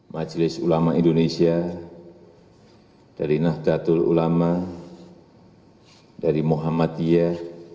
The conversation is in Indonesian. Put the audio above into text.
majelis ulama indonesia dari nahdlatul ulama dari muhammadiyah